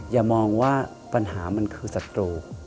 อย่ามองว่าปัญหามันคือศัตรู